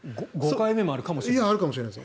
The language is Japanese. ５回目もあるかもしれない。